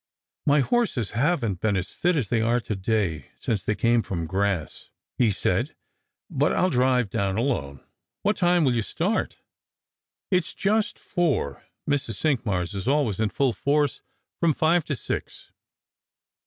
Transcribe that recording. " My horses haven't been as fit as they are to day since they came from grass," he said, " but I'll drive down alone. What time will you start? It's just four; Mrs. Cinqmars is always in full force from five to six."